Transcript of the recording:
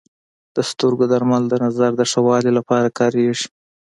د سترګو درمل د نظر د ښه والي لپاره کارېږي.